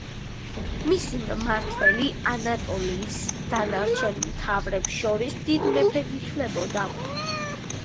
მისი მმართველი ანატოლიის დანარჩენ „მთავრებს“ შორის „დიდ მეფედ“ ითვლებოდა.